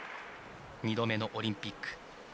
２度目のオリンピック。